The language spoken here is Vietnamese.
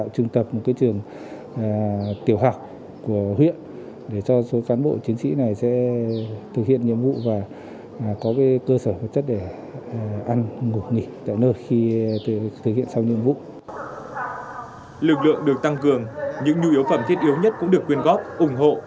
lực lượng được tăng cường những nhu yếu phẩm thiết yếu nhất cũng được quyên góp ủng hộ